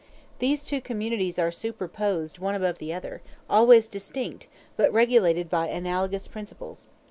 These two communities are superposed one above the other, always distinct, but regulated by analogous principles.